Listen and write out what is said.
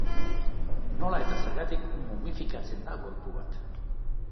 Nola eta zergatik momifikatzen da gorpu bat?